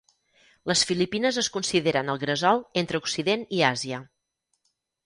Les Filipines es consideren el gresol entre occident i Àsia.